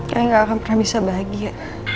yang gak akan pernah bisa bahagia